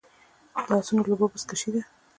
د اسونو لوبه بزکشي ده